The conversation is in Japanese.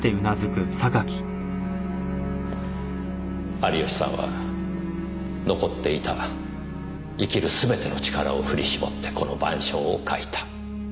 有吉さんは残っていた生きるすべての力を振り絞ってこの『晩鐘』を描いた。